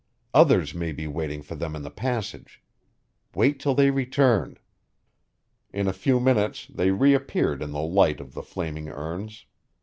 Others may be waiting for them in the passage. Wait till they return." In a few minutes they reappeared in the light of the flaming urns.